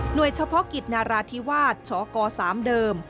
โดยเฉพาะกิจนาราธิวาสชก๓เดิม